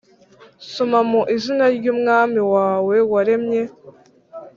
soma: mu izina ry’umwami wawe waremye.